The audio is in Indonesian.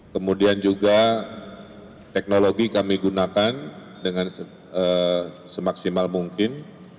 kemudian juga teknologi kami gunakan dengan semaksimal mungkin